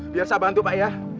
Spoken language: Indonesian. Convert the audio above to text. biar saya bantu pak ya